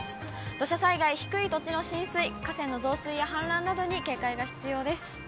土砂災害、低い土地の浸水、河川の増水や氾濫などに警戒が必要です。